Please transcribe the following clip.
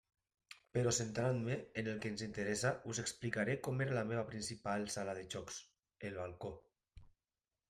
Però centrant-me en el que ens interessa, us explicaré com era la meva principal sala de jocs, el balcó.